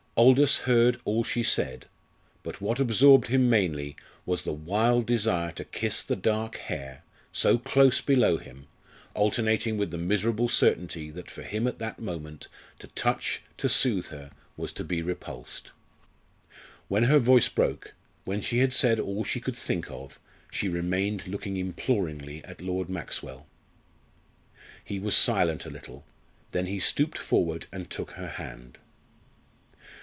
Aldous heard all she said, but what absorbed him mainly was the wild desire to kiss the dark hair, so close below him, alternating with the miserable certainty that for him at that moment to touch, to soothe her, was to be repulsed. When her voice broke when she had said all she could think of she remained looking imploringly at Lord Maxwell. He was silent a little; then he stooped forward and took her hand.